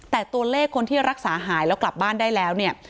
แต่ตัวเลขคนที่รักษาหายแล้วกลับบ้านได้แล้วเนี่ย